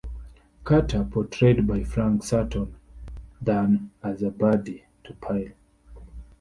Carter, portrayed by Frank Sutton, than as a buddy, to Pyle.